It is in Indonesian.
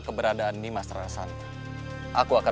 keberadaan dimasalah santan aku akan